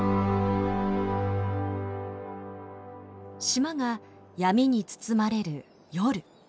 島が闇に包まれる夜。